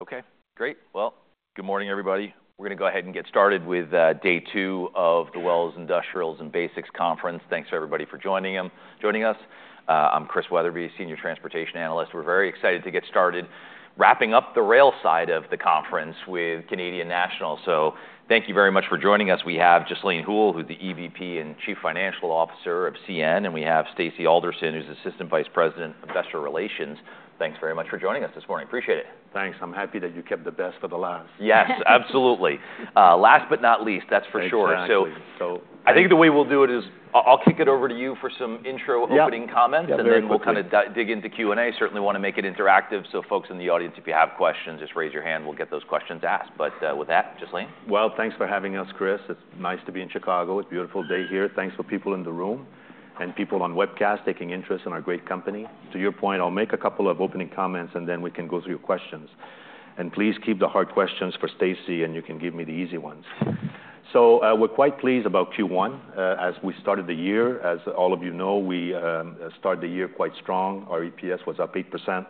Okay, great. Good morning everybody. We're gonna go ahead and get started with day two of the Wells Industrials and Basics Conference. Thanks everybody for joining us. I'm Chris Weatherby, Senior Transportation Analyst. We're very excited to get started wrapping up the rail side of the conference with Canadian National. Thank you very much for joining us. We have Ghislain Houle, who's the EVP and Chief Financial Officer of CN, and we have Stacy Alderson, who's Assistant Vice President Industrial Relations. Thanks very much for joining us this morning. Appreciate it. Thanks, I'm happy that you kept the best for the last. Yes, absolutely. Last but not least, that's for sure. So I think the way we'll do. It is, I'll kick it over to you for some intro, opening comments, and then we'll kind of dig into Q&A. Certainly want to make it interactive. Folks in the audience, if you have questions, just raise your hand. We'll get those questions asked, but with that, Ghislain. Thanks for having us, Chris. It's nice to be in Chicago. It's a beautiful day here. Thanks for people in the room and people on the webcast taking interest in our great company. To your point, I'll make a couple of opening comments and then we can go through your questions, and please keep the hard questions for Stacy and you can give me the easy ones. We're quite pleased about Q1 as we started the year. As all of you know, we started the year quite strong. Our EPS was up 8%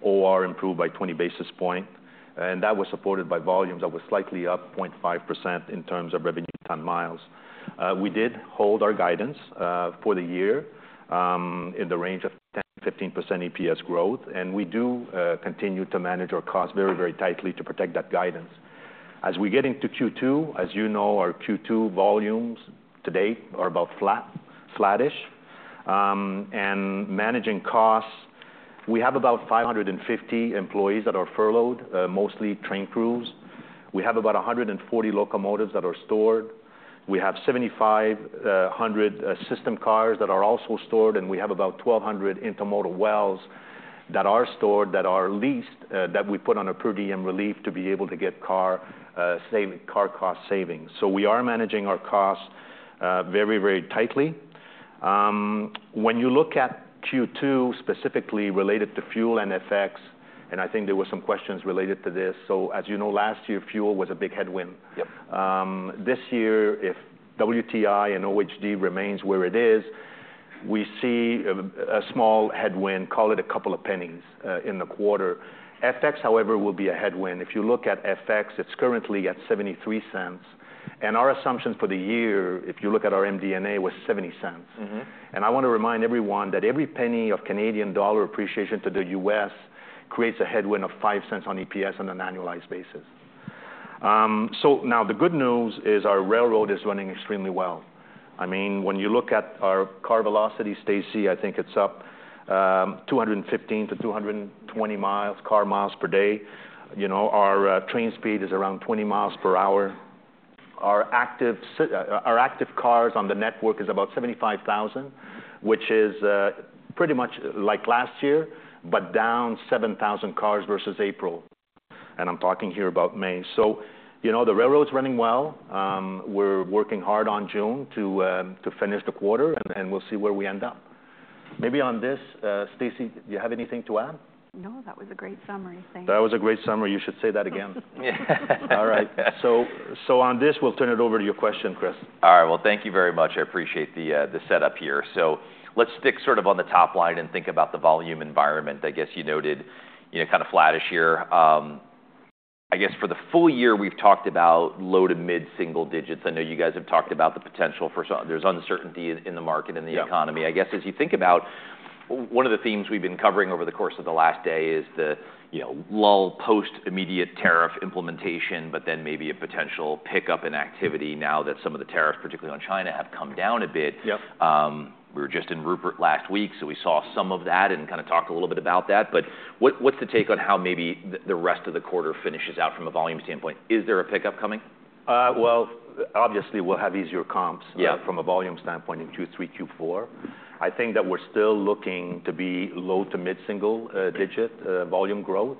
or improved by 20 basis points, and that was supported by volumes that were slightly up 0.5% in terms of revenue ton miles. We did hold our guidance for the year in the range of 10%-15% EPS growth and we do continue to manage our costs very, very tightly to protect that guidance as we get into Q2. As you know, our Q2 volumes to date are about flat, flattish, and managing costs. We have about 550 employees that are furloughed, mostly train crews. We have about 140 locomotives that are stored. We have 7,500 system cars that are also stored and we have about 1,200 intermodal wells that are stored that are leased that we put on a per diem relief to be able to get car cost savings. So we are managing our costs very, very tightly. When you look at Q2 specifically related to fuel and FX, and I think there were some questions related to this. As you know, last year fuel was a big headwind. This year, if WTI and OHD remains where it is. We see a small headwind, call it a couple of pennies in the quarter. FX, however, will be a headwind. If you look at FX, it is currently at 0.73. And our assumptions for the year, if you look at our MD&A, was 0.70. I want to remind everyone that every penny of Canadian dollar appreciation to the U.S. creates a headwind of 0.05 on EPS on an annualized basis. Now the good news is our railroad is running extremely well. I mean, when you look at our car velocity, Stacy, I think it is up 215-220 car mi per day. You know, our train speed is around 20 mi per hour. Our active cars on the network is about 75,000, which is pretty much like last year, but down 7,000 cars versus April. I am talking here about May. You know, the railroad's running well. We're working hard on June to finish the quarter and we'll see where we end up maybe on this. Stacy, do you have anything to add? No, that was a great summary. Thank you. That was a great summary. You should say that again. All right, on this we will turn it over to your question, Chris. All right, thank you very much. I appreciate the setup here. Let's stick sort of on the top line and think about the volume environment. I guess you noted, you know, kind of flattish here, I guess for the full year. We've talked about low to mid single digits. I know you guys have talked about the potential for there's uncertainty in the market, in the economy. I guess as you think about one of the themes we've been covering over the course of the last day is the, you know, lull post immediate tariff implementation, but then maybe a potential pickup in activity now that some of the tariffs, particularly on China, have come down a bit. We were just in Rupert last week, so we saw some of that and kind of talk a little bit about that. What's the take on how maybe the rest of the quarter finishes out from a volume standpoint? Is there a pickup coming? Obviously, we'll have easier comps from a volume standpoint in Q3, Q4. I think that we're still looking to be low to mid single digit volume growth.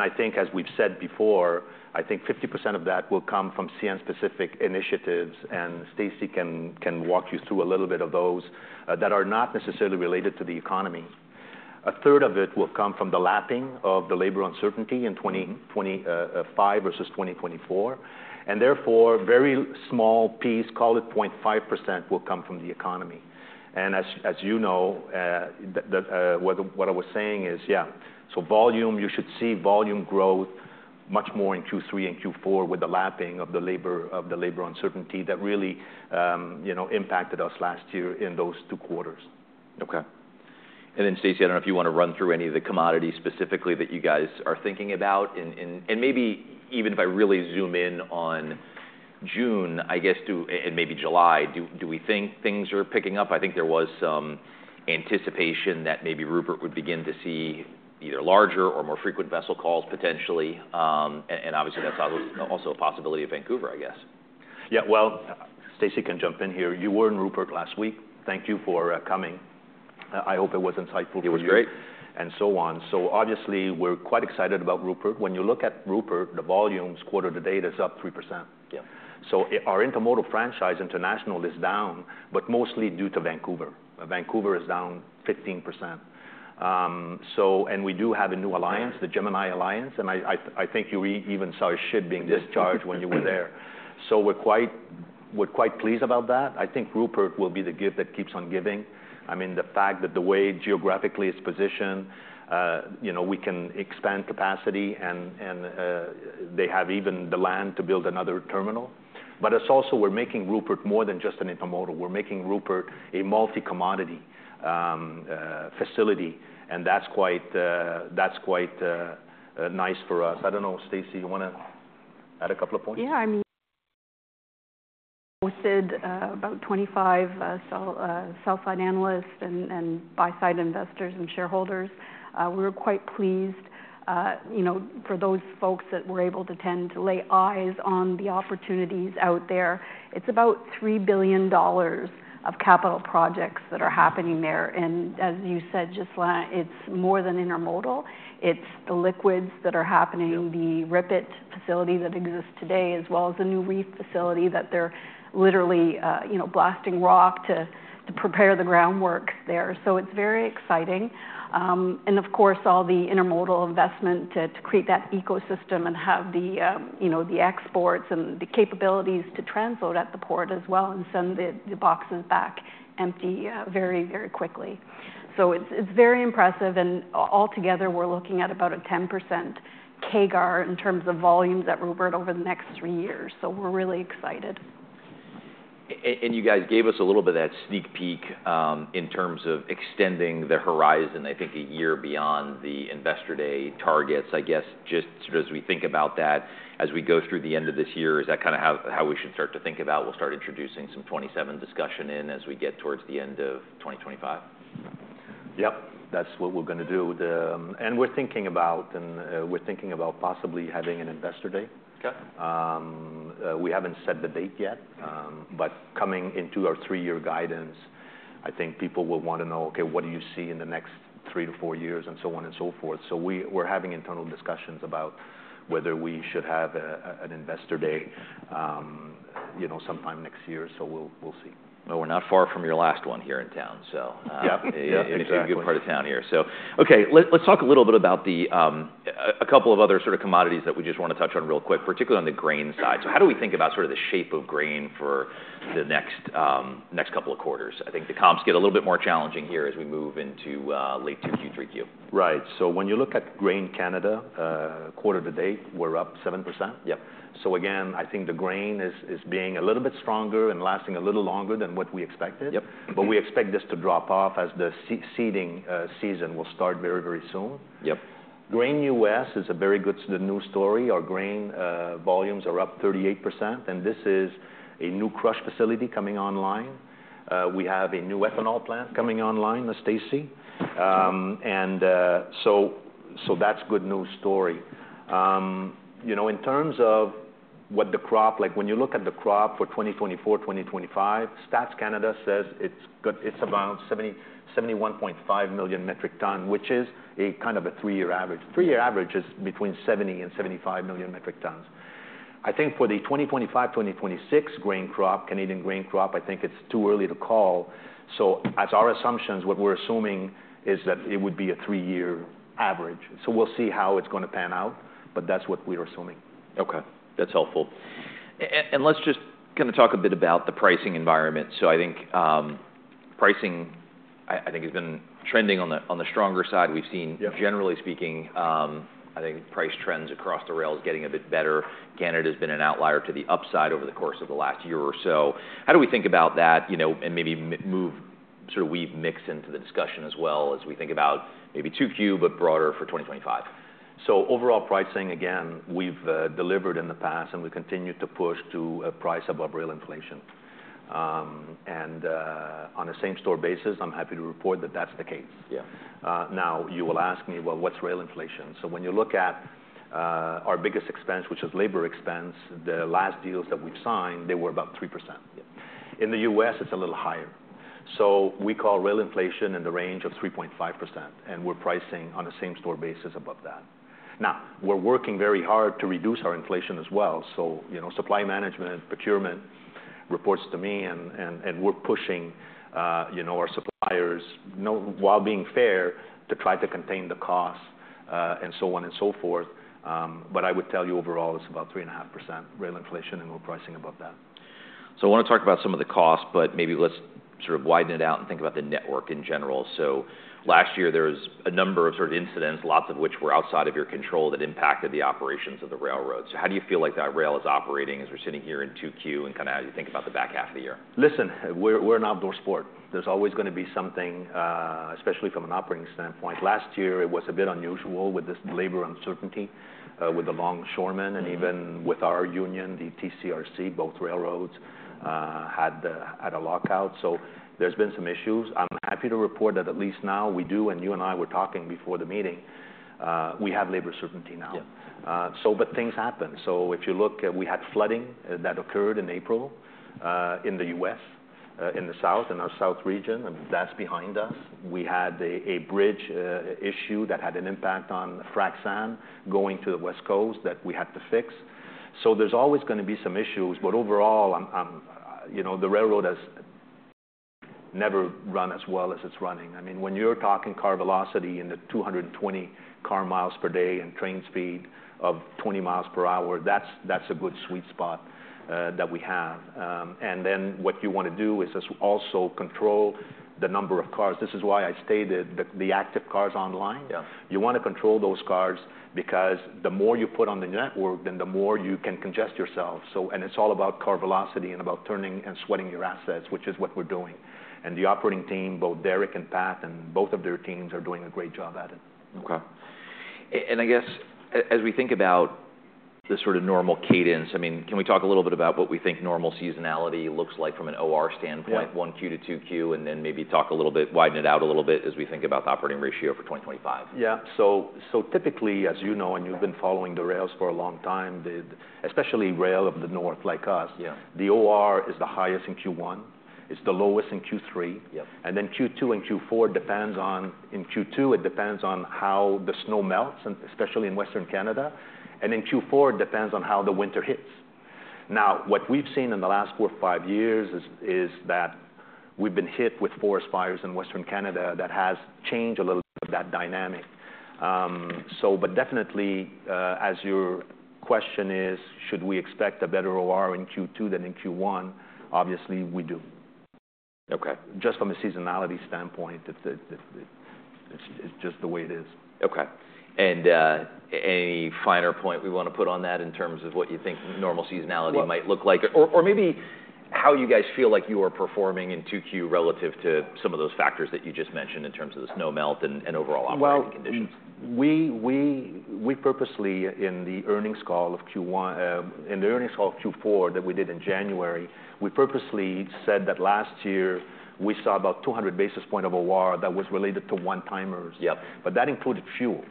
I think as we've said before, I think 50% of that will come from CN specific initiatives. Stacy can walk you through a little bit of those that are not necessarily related to the economy. A third of it will come from the lapping of the labor uncertainty in 2025 versus 2024 and therefore a very small piece, call it 0.5%, will come from the economy. As you know, what I was saying is, yeah, volume, you should see volume growth much more in Q3 and Q4 with the lapping of the labor uncertainty that really impacted us last year in those two quarters. Okay. Stacey, I do not know if you want to run through any of the commodities specifically that you guys are thinking about and maybe even if I really zoom in on June, I guess do, and maybe July, do we think things are picking up? I think there was some anticipation that maybe Rupert would begin to see either larger or more frequent vessel calls potentially. Obviously that is also a possibility of Vancouver, I guess. Yeah. Stacy can jump in here. You were in Rupert last week. Thank you for coming. I hope it was insightful. It was great. Obviously we're quite excited about Rupert. When you look at Rupert, the volumes quarter to date is up 3%. Our intermodal franchise international is down, but mostly due to Vancouver. Vancouver is down 15%. We do have a new alliance, the Gemini alliance. I think you even saw a ship being discharged when you were there. We're quite pleased about that. I think Rupert will be the gift that keeps on giving. I mean, the fact that the way geographically is positioned, you know, we can expand capacity and they have even the land to build another terminal. It's also we're making Rupert more than just an intermodal. We're making Rupert a multi commodity facility. That's quite nice for us. I don't know, Stacy, you want to add a couple of points? Yeah. I mean we did about 25 sell-side analysts and buy-side investors and shareholders. We were quite pleased for those folks that were able to tend to lay eyes on the opportunities out there. It is about 3 billion dollars of capital projects that are happening there. As you said, Ghislain, it is more than intermodal, it is the liquids that are happening. The RIPIT facility that exists today as well as the new REEF facility that they are literally blasting rock to prepare the groundwork there. It is very exciting. Of course, all the intermodal investment to create that ecosystem and have the, you know, the exports and the capabilities to transload at the port as well and send the boxes back empty very, very quickly. It is very impressive. Altogether we are looking at about a 10% CAGR in terms of volumes at Rupert over the next three years. We're really excited. And you guys gave us a little bit of that sneak peek in terms of extending the horizon, I think a year beyond the investor day targets. I guess just as we think about that as we go through the end of this year, is that kind of how we should start to think about? We'll start introducing some 2027 discussion in as we get towards the end of 2025. Yep, that's what we're going to do. We're thinking about possibly having an investor day. We haven't set the date yet, but coming into our three year guidance, I think people will want to know, okay, what do you see in the next 3-4 years and so on and so forth. We're having internal discussions about whether we should have an investor day, you know, sometime next year. We'll see. We're not far from your last one here in town, so yeah, part of town here. Okay, let's talk a little bit about the, a couple of other sort of commodities that we just want to touch on real quick, particularly on the grain side. How do we think about sort of the shape of grain for the next next couple of quarters? I think the comps get a little bit more challenging here as we move into late 2Q, 3Q. Right. So when you look at Grain Canada quarter to date, we're up 7%. Yep. I think the grain is being a little bit stronger and lasting a little longer than what we expected. But we expect this to drop off as the seeding season will start very, very soon. Yep. Grain U.S. is a very good news story. Our grain volumes are up to 38% and this is a new crush facility coming online. We have a new ethanol plant coming online, the Stacy. And so that's good news story. You know in terms of what the crop like when you look at the crop for 2024, 2025 Stats Canada says it's good, it's about 70 million-71.5 million metric ton, which is a kind of a three year average. Three year average is between 70 million and 75 million metric tons. I think for the 2025, 2026 grain crop, Canadian grain crop, I think it's too early to call. So as our assumptions, what we're assuming is that it would be a three year average. So we'll see how it's going to pan out. But that's what we're assuming. Okay, that's helpful. Let's just kind of talk a bit about the pricing environment. I think pricing has been trending on the stronger side. We've seen, generally speaking, I think price trends across the rail is getting a bit better. Canada has been an outlier to the upside over the course of the last year or so. How do we think about that, you know, and maybe move sort of. We've mix into the discussion as well as we think about maybe 2Q but broader for 2025. Overall pricing, again, we've delivered in the past and we continue to push to a price above real inflation. And on a same store basis, I'm happy to report that that's the case. Now you will ask me, what's real inflation? When you look at our biggest expense, which is labor expense, the last deals that we've signed, they were about 3%. In the U.S. it's a little higher. We call rail inflation in the range of 3.5% and we're pricing on a same store basis above that. We're working very hard to reduce our inflation as well. You know, supply management, procurement reports to me and we're pushing, you know, our suppliers, while being fair, to try to contain the cost and so on and so forth. I would tell you overall it's about 3.5% rail inflation and no pricing above that. I want to talk about some of the costs, but maybe let's sort of widen it out and think about the network in general. Last year there was a number of sort of incidents, lots of which were outside of your control, that impacted the operations of the railroad. How do you feel like that rail is operating as we're sitting here in 2Q and kind of how you think about the back half of the year? Listen, we're an outdoor sport. There's always going to be something, especially from an operating standpoint. Last year it was a bit unusual with this labor uncertainty with the longshoremen and even with our union, the TCRC. Both railroads had a lockout. So there's been some issues. I'm happy to report that at least now we do. You and I were talking before the meeting. We have labor certainty now, but things happen. If you look, we had flooding that occurred in April in the U.S. in the south, in our south region, that's behind us. We had a bridge issue that had an impact on fracked sand going to the west coast that we had to fix. There's always going to be some issues. Overall, the railroad has never run as well as it's running. I mean, when you're talking car velocity in the 220 car mi per day and train speed of 20 mi per hour, that's a good sweet spot that we have. What you want to do is also control the number of cars. This is why I stated the active cars online. You want to control those cars because the more you put on the network then the more you can congest yourself. It's all about car velocity and about turning and sweating your assets, which is what we're doing. The operating team, both Derek and Pat and both of their teams, are doing a great, great job at it. Okay. I guess as we think about the sort of normal cadence, I mean can we talk a little bit about what we think normal seasonality looks like from an OR standpoint 1Q to 2Q and then maybe talk a little bit, widen it out a little bit as we think about the operating ratio for 2025? Yeah. So. Typically, as you know and you've been following the rails for a long time, did especially rail of the north like us. Yeah. The OR is the highest in Q1, it's the lowest in Q3 and then Q2 and Q4 depends on—in Q2 it depends on how the snow melts, especially in Western Canada. In Q4 it depends on how the winter hits. What we've seen in the last four or five years is that we've been hit with forest fires in Western Canada. That has changed a little of that dynamic. Definitely, as your question is, should we expect a better OR in Q2 than in Q1? Obviously we do. Okay. Just from a seasonality standpoint. It's just the way it is. Okay. Any finer point we want to put on that in terms of what you think normal seasonality might look like or maybe how you guys feel like you are performing in 2Q relative to some of those factors that you just mentioned in terms of the snow melt and overall operating conditions. We purposely in the earnings call Q4 that we did in January, we purposely said that last year we saw about 200 basis points of OR that was related to one timers, but that included fuel.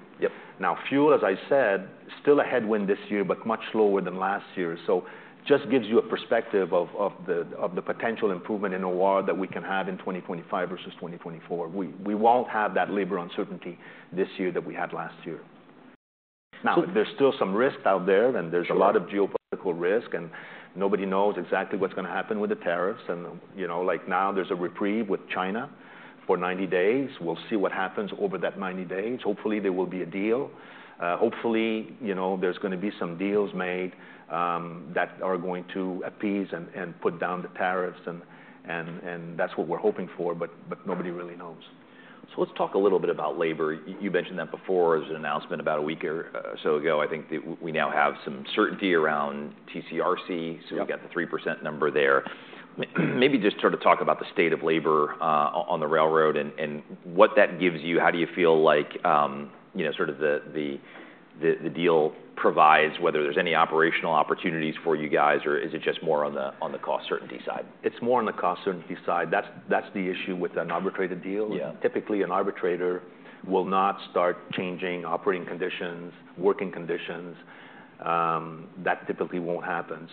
Now fuel, as I said, still a headwind this year, but much slower than last year. Just gives you a perspective of the potential improvement in OR that we can have in 2025 versus 2024. We will not have that labor uncertainty this year that we had last year. Now there is still some risk out there and there is a lot of geopolitical risk and nobody knows exactly what is going to happen with the tariffs. You know, like now there is a reprieve with China for 90 days. We will see what happens over that 90 days. Hopefully there will be a deal. Hopefully, you know, there's going to be some deals made that are going to appease and put down the tariffs, and that's what we're hoping for. Nobody really knows. Let's talk a little bit about labor. You mentioned that before as an announcement about a week or so ago. I think we now have some certainty around TCRC. You got the 3% number there, maybe just sort of talk about the state of labor on the railroad and what that gives you. How do you feel like, you know, sort of the deal provides, whether there's any operational opportunities for you guys or is it just more on the cost certainty side? It's more on the cost certainty side. That's the issue with an arbitrator deal. Typically an arbitrator will not start changing operating conditions, working conditions, that typically won't happen.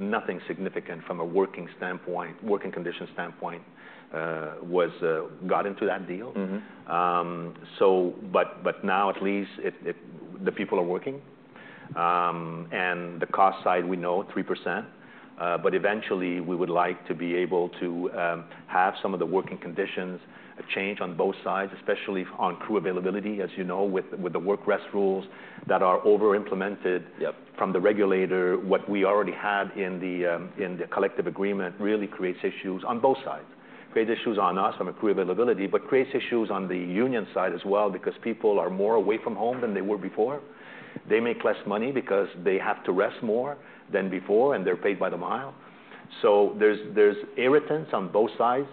Nothing significant from a working standpoint, working condition standpoint was got into that deal. Now at least the people are working and the cost side, we know 3%, but eventually we would like to be able to have some of the working conditions change on both sides, especially on crew availability. As you know, with the work rest rules that are over implemented from the regulator, what we already had in the collective agreement really creates issues on both sides. Creates issues on us from a crew availability, but creates issues on the union side as well because people are more away from home than they were before. They make less money because they have to rest more than before and they're paid by the mile. There are irritants on both sides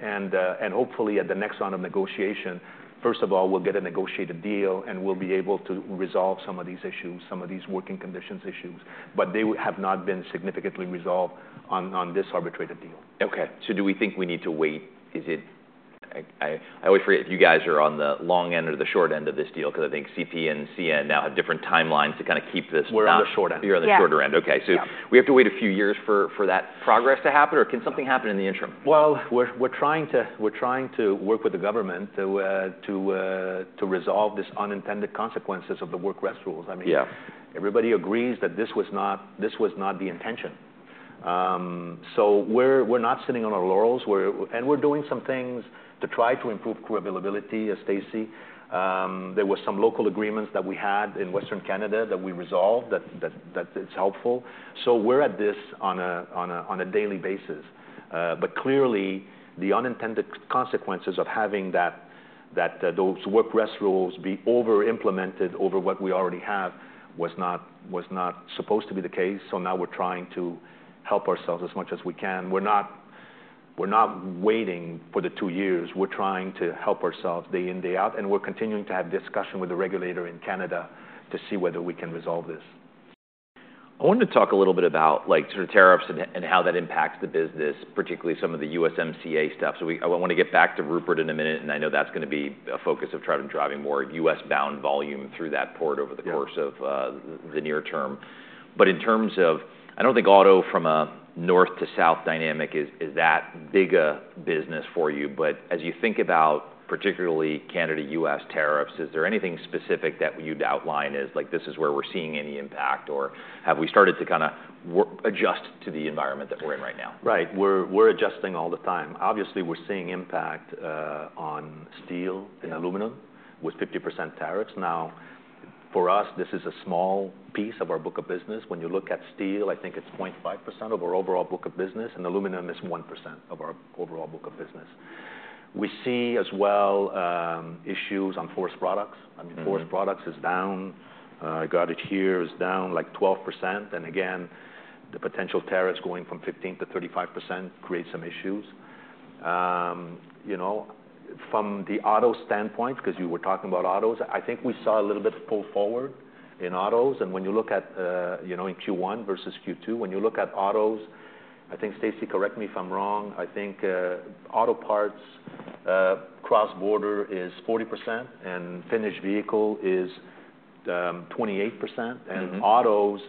and hopefully at the next round of negotiation, first of all, we'll get a negotiated deal and we'll be able to resolve some of these issues, some of these working conditions issues, but they have not been significantly resolved on this arbitrator deal. Okay, so do we think we need to wait? Is it. I always forget you guys are on the long end or the short end of this deal because I think CP and CN now have different timelines to kind of keep this. We're on the short end. You're on the shorter end. Okay. So we have to wait a few years for, for that progress to happen or can something happen in the interim? We're trying to work with the government to resolve this unintended consequence of the work rest rules. I mean. Yeah. Everybody agrees that this was not the intention. We're not sitting on our laurels and we're doing some things to try to improve crew availability. As Stacy said, there were some local agreements that we had in Western Canada that we resolved that are helpful. We're at this on a daily basis. Clearly, the unintended consequence of having those work rest rules be over implemented over what we already have was not supposed to be the case. Now we're trying to help ourselves as much as we can. We're not waiting for the two years. We're trying to help ourselves day in, day out. We're continuing to have discussion with the regulator in Canada to see whether we can resolve this. I wanted to talk a little bit about like sort of tariffs and how that impacts the business, particularly some of the USMCA stuff. I want to get back to Rupert in a minute and I know that's going to be a focus of trying to drive more U.S.-bound volume through that port over the course of the near term. In terms of I do not think auto from a north to south dynamic is that big a business for you. As you think about particularly Canada-U.S. tariffs, is there anything specific that you'd outline as like this is where we're seeing any impact or have we started to kind of adjust to the environment that we're in right now? Right. We're adjusting all the time. Obviously we're seeing impact on steel and aluminum with 50% tariffs. Now for us, this is a small piece of our book of business. When you look at steel, I think it's 0.5% of our overall book of business and aluminum is 1% of our overall book of business. We see as well issues on forest products. Forest products is down, garbage here is down like 12%. Again, the potential tariffs going from 15%-35% create some issues, you know, from the auto standpoint, because you were talking about autos, I think we saw a little bit of pull forward in autos. When you look at, you know, in Q1 versus Q2, when you look at autos, I think, Stacy, correct me if I'm wrong, I think auto parts cross-border is 40% and finished vehicle is 28%. Autos,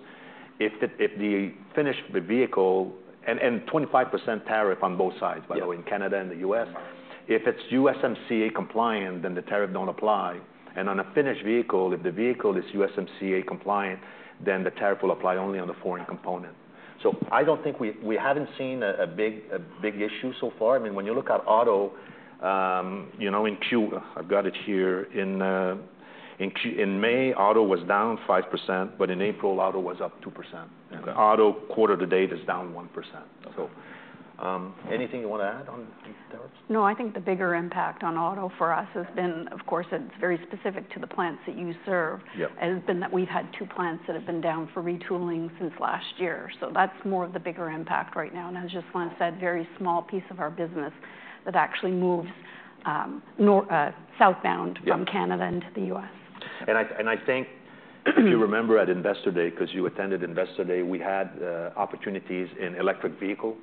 if the finished vehicle and 25% tariff on both sides, by the way, in Canada and the U.S., if it is USMCA compliant, then the tariff does not apply. On a finished vehicle, if the vehicle is USMCA compliant, then the tariff will apply only on the foreign component. I do not think we have seen a big issue so far. I mean, when you look at auto, you know, in Q, I have got it here, in May auto was down 5%, but in April, auto was up 2%. Auto quarter to date is down 1%. Anything you want to add on? No, I think the bigger impact on auto for us has been, of course it's very specific to the plants that you serve, has been that we've had two plants that have been down for retooling since last year. That's more of the bigger impact right now. As Ghislain said, very small piece of our business that actually moves southbound from Canada into the U.S. I. Think if you remember at Investor Day, because you attended Investor Day, we had opportunities in electric vehicle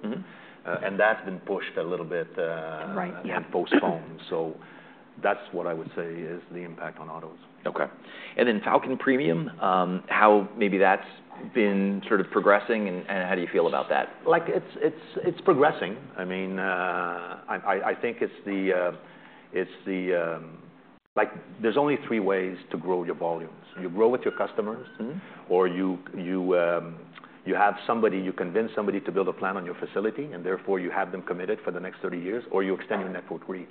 and that's been pushed a little bit and postponed. That is what I would say is the impact on autos. Okay. Falcon Premium, how maybe that's been sort of progressing and how do you feel about that? Like it's, it's progressing. I mean, I think it's the, like there's only three ways to grow your volumes. You grow with your customers or you have somebody, you convince somebody to build a plant on your facility and therefore you have them committed for the next 30 years or you extend your network reach.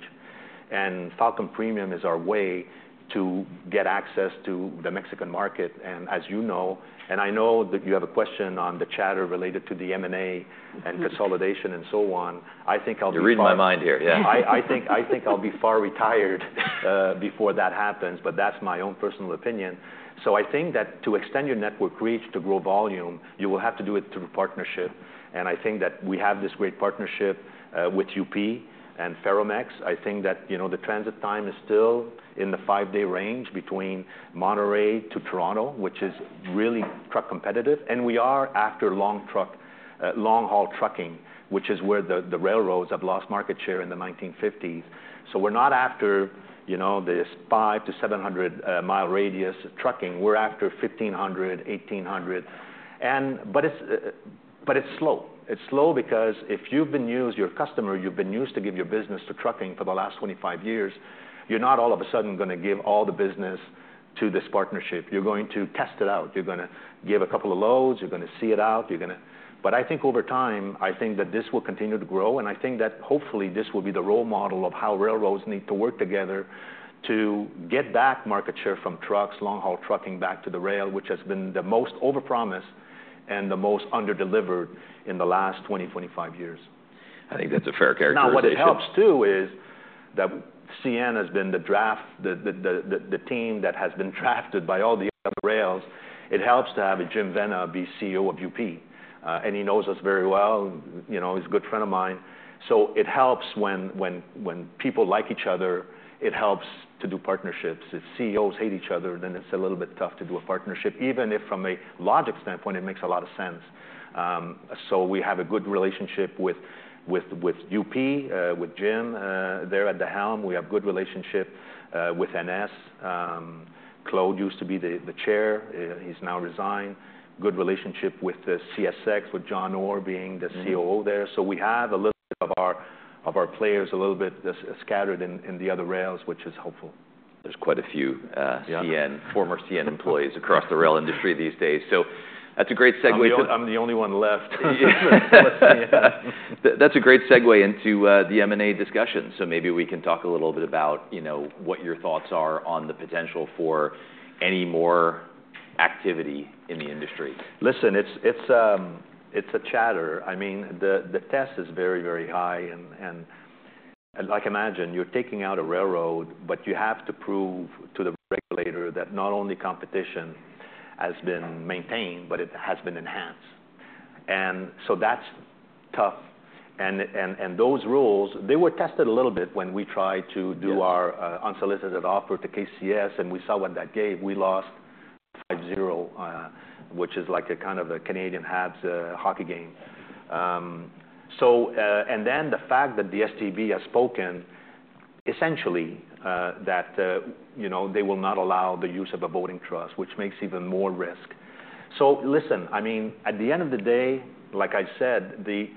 Falcon Premium is our way to get access to the Mexican market. As you know, and I know that you have a question on the chatter related to the M&A and consolidation and so on, I think. I'll be. You're reading my mind here. Yeah, I think I'll be far retired before that happens. But that's my own personal opinion. I think that to extend your network reach to grow volume, you will have to do it through partnership. I think that we have this great partnership with UP and Ferromex. I think that, you know, the transit time is still in the five day range between Monterrey to Toronto, which is really truck competitive. We are after long haul trucking, which is where the railroads have lost market share in the 1950s. We're not after, you know, this 500-700 mile radius trucking. We're after 1,500, 1,800 and, but it's, but it's slow. It's slow because if you've been used, your customer, you've been used to give your business to trucking for the last 25 years. You're not all of a sudden going to give all the business to this partnership. You're going to test it out, you're going to give a couple of loads, you're going to see it out, you're going to. I think over time I think that this will continue to grow and I think that hopefully this will be the role model of how railroads need to work together to get back market share from trucks, long haul trucking back to the rail which has been the most over promised and the most under delivered in the last 20, 25 years. I think that's a fair characteristic. Now what it helps too is that CN has been the draft, the team that has been drafted by all the rails. It helps to have Jim Vena be CEO of UP and he knows us very well, you know, he's a good friend of mine. It helps when people like each other, it helps to do partnerships. If CEOs hate each other then it's a little bit tough to do a partnership even if from a logic standpoint it makes a lot of sense. We have a good relationship with UP with Jim there at the helm. We have good relationship with NS. Claude used to be the chair, he's now resigned. Good relationship with CSX with John Orr being the COO there. We have a little bit of our players a little bit scattered in the other rails which is helpful. There's quite a few former CN employees across the rail industry these days. That's a great segue. I'm the only one left. That's a great segue into the M&A discussion. Maybe we can talk a little bit about what your thoughts are on the potential for any more activity in the industry. Listen, it's a chatter. I mean the test is very, very high and like imagine you're taking out a railroad but you have to prove to the regulator that not only competition has been maintained but it has been enhanced. That is tough. Those rules, they were tested a little bit when we tried to do our unsolicited offer to KCS and we saw what that gave. We lost 5-0, which is like a kind of a Canadian Habs hockey game. The fact that the STB has spoken essentially that, you know, they will not allow the use of a voting trust which makes even more risk. Listen, I mean at the end of the day, like I said, the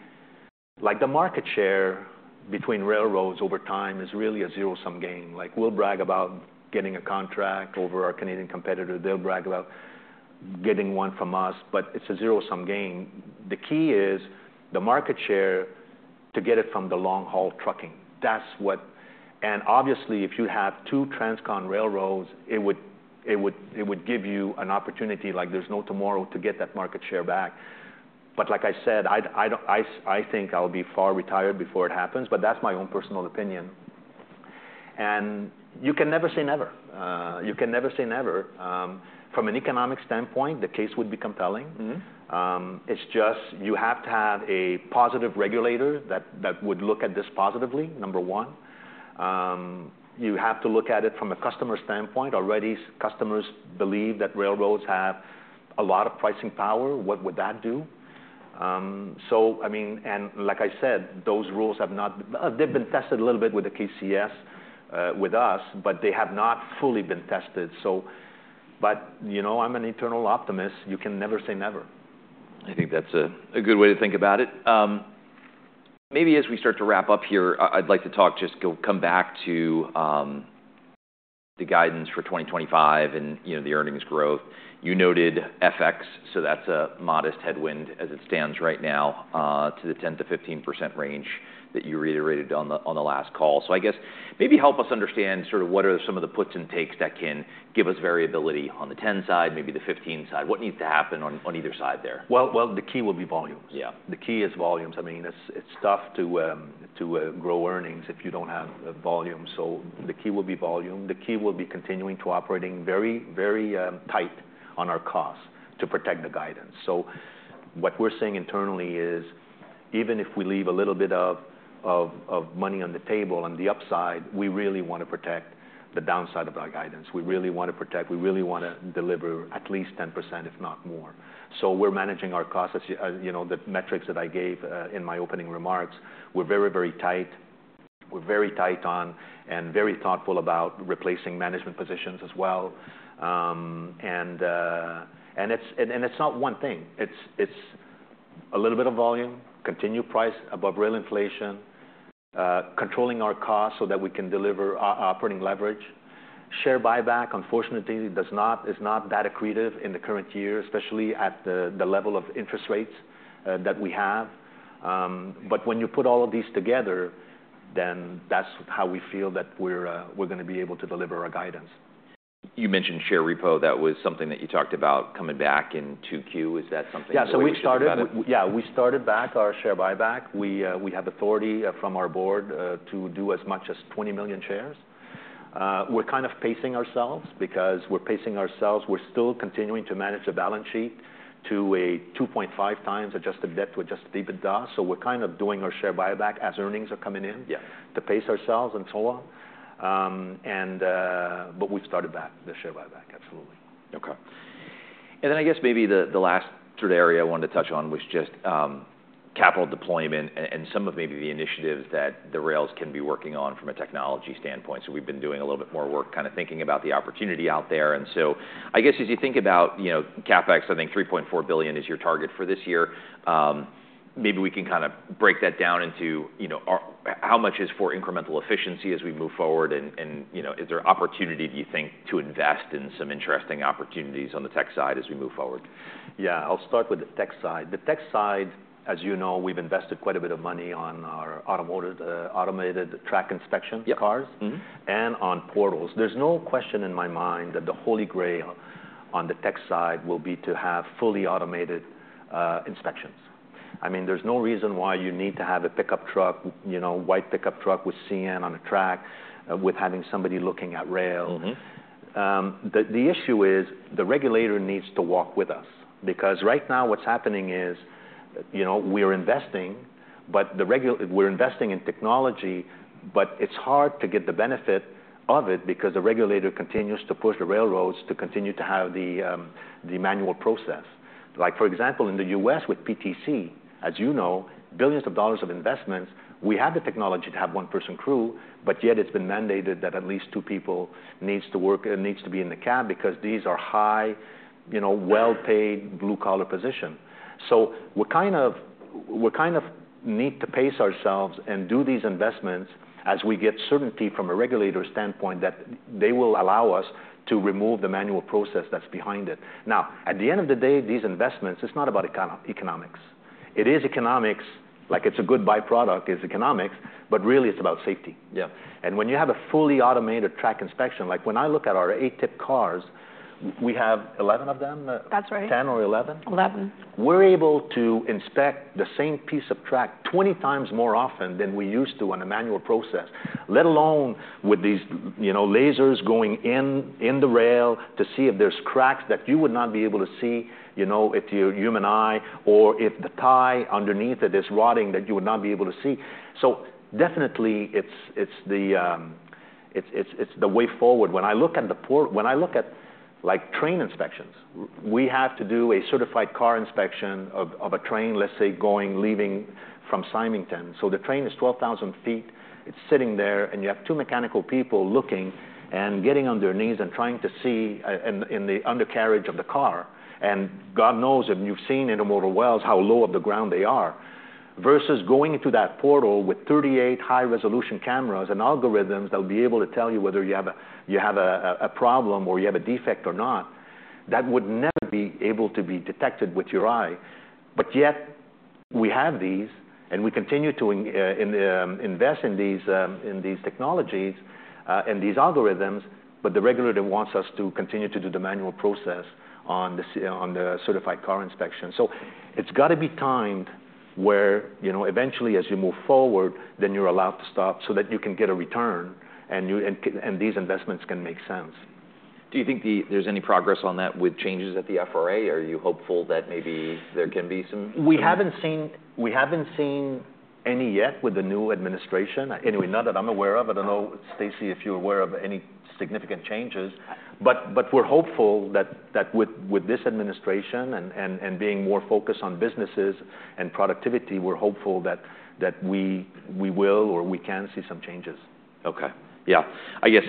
market share between railroads over time is really a zero sum game. Like we'll brag about getting a contract over our Canadian competitor, they'll brag about getting one from us, but it's a zero sum game. The key is the market share to get it from the long haul trucking, that's what. Obviously if you have two transcon railroads it would give you an opportunity like there's no tomorrow to get that market share back. Like I said, I think I'll be far retired before it happens. That's my own personal opinion. You can never say never. You can never say never. From an economic standpoint, the case would be compelling. You have to have a positive regulator that would look at this positively. Number one, you have to look at it from a customer standpoint. Already customers believe that railroads have a lot of pricing power. What would that do? I mean, and like I said, those rules have not, they've been tested a little bit with the KCS, with us, but they have not fully been tested. But you know, I'm an eternal optimist. You can never say never. I think that's a good way to think about it. Maybe as we start to wrap up here, I'd like to talk, just come back to the guidance for 2025 and you know the earnings growth. You noted FX, so that's a modest headwind as it stands right now to the 10%-15% range that you reiterated on the last call. I guess maybe help us understand sort of what are some of the puts and takes that can give us variability on the 10% side, maybe the 15% side. What needs to happen on either side there? The key will be volumes. Yeah. The key is volumes. I mean it's tough to grow earnings if you don't have volume. The key will be volume. The key will be continuing to operating very, very tight on our costs to protect the guidance. What we're saying internally is even if we leave a little bit of money on the table, on the upside, we really want to protect the downside of our guidance. We really want to protect, we really want to deliver at least 10% if not more. We're managing our costs. You know the metrics that I gave in my opening remarks, we're very, very tight. We're very tight on and very thoughtful about replacing management positions as well. It is not one thing, it is a little bit of volume, continued price above real inflation, controlling our costs so that we can deliver operating leverage. Share buyback unfortunately does not, is not that accretive in the current year, especially at the level of interest rates that we have. When you put all of these together, that is how we feel that we are going to be able to deliver our guidance. You mentioned share repo. That was something that you talked about coming back in 2Q. Is that something? Yeah. We started back our share buyback. We have authority from our board to do as much as 20 million shares. We're kind of pacing ourselves because we're pacing ourselves. We're still continuing to manage the balance sheet to a 2.5x adjusted debt to adjusted EBITDA. We're kind of doing our share buyback as earnings are coming in to pace ourselves and so on. We have started back the share buyback. Absolutely. Okay. I guess maybe the last third area I wanted to touch on was just capital deployment and some of maybe the initiatives that the Rails can be working on from a technology standpoint. We've been doing a little bit more work kind of thinking about the opportunity out there. I guess as you think about, you know, CapEx, I think 3.4 billion is your target for this year. Maybe we can kind of break that down into, you know, how much is for incremental efficiency as we move forward and, you know, is there opportunity, do you think, to invest in some interesting opportunities on the top tech side as we move forward? Yeah, I'll start with the tech side. The tech side. As you know, we've invested quite a bit of money on our automotive automated track inspection cars and on portals. There's no question in my mind that the holy grail on the tech side will be to have fully automated inspections. I mean, there's no reason why you need to have a pickup truck, you know, white pickup truck with CN on a track with having somebody looking out rail. The issue is the regulator needs to walk with us because right now what's happening is, you know, we're investing, but the regulator, we're investing in technology, but it's hard to get the benefit of it because the regulator continues to push the railroads to continue to have the manual process. Like for example, in the U.S. with PTC as, you know, billions of dollars of investments, we have the technology to have one person crew, but yet it's been mandated that at least two people need to work, need to be in the cab because these are high, you know, well paid, blue collar positions. So we kind of need to pace ourselves and do these investments as we get certainty from a regulator standpoint that they will allow us to remove the manual process that's behind it. Now at the end of the day, these investments, it's not about economy, economics. It is economics, like it's a good byproduct is economics, but really it's about safety. Yeah. When you have a fully automated track inspection, like when I look at our eight tip cars, we have 11 of them. That's right. 10 or 11? 11. We're able to inspect the same piece of track 20x more often than we used to on a manual process, let alone with these, you know, lasers going in, in the rail to see if there's cracks that you would not be able to see, you know, if your human eye or if the tie underneath it is rotting that you would not be able to see. Definitely it's the way forward. When I look at the port, when I look at like train inspections, we have to do a certified car inspection of a train, let's say going, leaving from Symington. The train is 12,000 ft, it's sitting there and you have two mechanical people looking and getting on their knees and trying to see in the undercarriage of the car. God knows if you've seen intermodal wells, how low to the ground they are versus going into that portal with 38 high resolution cameras and algorithms that will be able to tell you whether you have a problem or you have a defect or not. That would never be able to be detected with your eye. Yet we have these and we continue to invest in these, in these technologies and these algorithms. The regulator wants us to continue to do the manual process on the certified car inspection. It has got to be timed where, you know, eventually as you move forward, then you are allowed to stop so that you can get a return and you and these investments can make sense. Do you think there's any progress on that with changes at the FRA? Are you hopeful that maybe there can be some? We have not seen, We have not seen any yet with the new administration anyway. Not that I am aware of. I do not know, Stacy, if you are aware of any significant changes. We are hopeful that with this administration and being more focused on businesses and productivity, we are hopeful that we will or we can see some changes. Okay. Yeah, I guess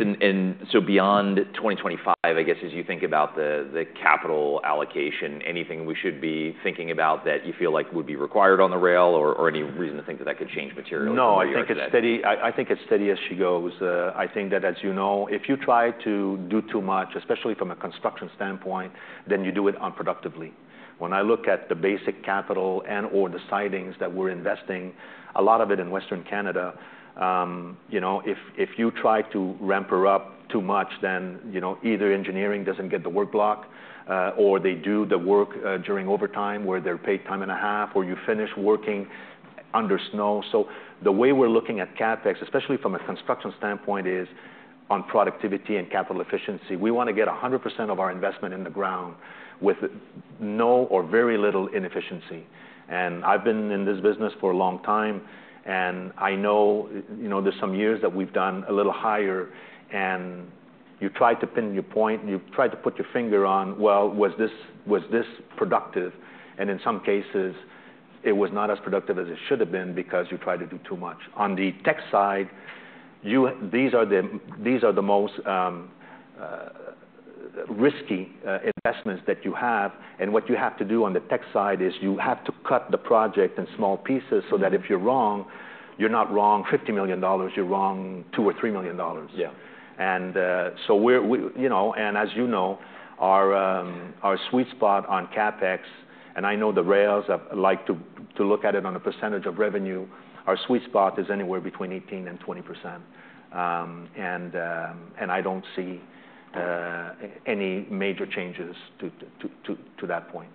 so. Beyond 2025, I guess as you think about the capital allocated, anything we should be thinking about that you feel like would be required on the rail or any reason to think that that could change materially? No, I think it's steady as she goes. I think that as you know, if you try to do too much, especially from a construction standpoint, then you do it unproductively. When I look at the basic capital and or the sidings that we're investing a lot of it in Western Canada, you know, if you try to ramp her up too much, then you know, either engineering doesn't get the work block or they do the work during overtime where they're paid time and a half, or you finish working under snow. The way we're looking at CapEx, especially from a construction standpoint, is on productivity and capital efficiency. We want to get 100% of our investment in the ground with no or very little inefficiency. I've been in this business for a long time and I know, you know, there are some years that we've done a little higher. You try to pin your point. You try to put your finger on, well, was this productive? In some cases it was not as productive as it should have been because you tried to do too much on the tech side. These are the most risky investments that you have. What you have to do on the tech side is you have to cut the project in small pieces so that if you're wrong, you're not wrong $50 million, you're wrong $2 million or $3 million. Yeah. As you know, our sweet spot on CapEx, and I know the rails like to look at it on a percentage of revenue. Our sweet spot is anywhere between 18% and 20%. And I do not see any major changes to that point.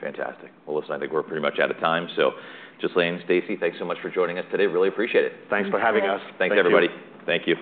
Fantastic. Listen, I think we're pretty much out of time, so Ghislain, Stacy, thanks so much for joining us today. Really appreciate it. Thanks for having us. Thanks, everybody. Thank you.